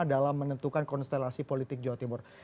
dalam menentukan konstelasi politik jawa timur